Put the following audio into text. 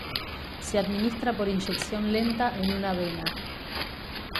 Se administra por inyección lenta en una vena.